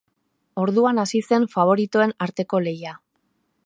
Orduan hasi zen faboritoen arteko lehia.